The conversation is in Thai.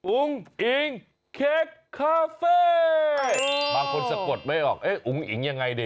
อุ่งอิงเคกคาเฟ่โอโหบางคนสะกดไม่ออกเอ๊อบอึงอิงยังไงดิ